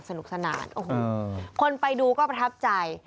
สนุกสนานโอ้โหคนไปดูก็ประทับใจ